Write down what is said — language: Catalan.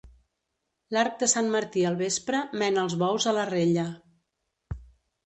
L'arc de sant Martí al vespre, mena els bous a la rella.